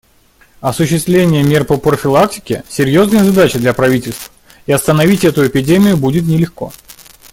Осуществление мер по профилактике — серьезная задача для правительств, и остановить эту эпидемию будет нелегко.